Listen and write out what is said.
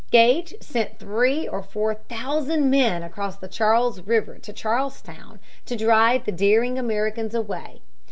Gage sent three or four thousand men across the Charles River to Charlestown to drive the daring Americans away.